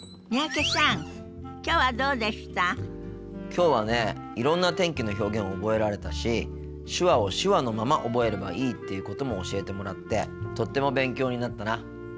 きょうはねいろんな天気の表現覚えられたし手話を手話のまま覚えればいいっていうことも教えてもらってとっても勉強になったな。